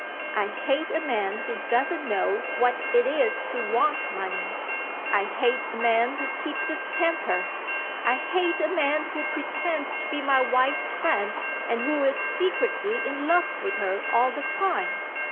I hate a man who doesn't know what it is to want money; I hate a man who keeps his temper; I hate a man who pretends to be my wife's friend, and who is secretly in love with her all the time.